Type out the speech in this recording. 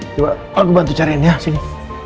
coba aku bantu cariin ya sini